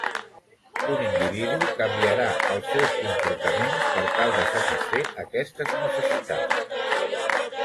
Un individu canviarà els seus comportaments per tal de satisfer aquestes necessitats.